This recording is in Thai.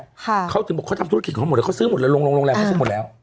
ค่ะเขาถึงบอกเขาทำธุรกิจเขาหมดแล้วเขาซื้อหมดแล้วลงลงโรงแรมเขาซื้อหมดแล้ว